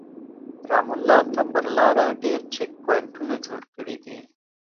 رام الله ته پر لاره ډېر چک پواینټونه جوړ کړي دي.